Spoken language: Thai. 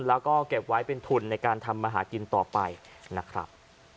แล้วก็เก็บไว้เป็นทุนในการทำมาหากินต่อไปนะครับ